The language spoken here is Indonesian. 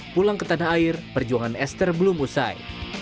pulang ke tanah air perjuangan esther belum usai